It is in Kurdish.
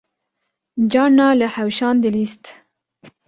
Carna li hewşan dilîst